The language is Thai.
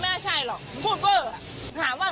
นี่ชิโยงที่ยาอะไรหนูไม่ว่านะ